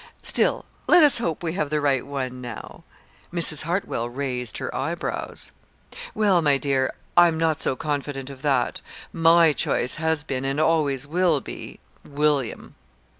Still let us hope we have the right one, now." Mrs. Hartwell raised her eyebrows. "Well, my dear, I'm not so confident of that. My choice has been and always will be William."